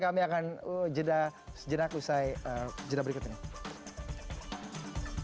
kami akan jeda berikutnya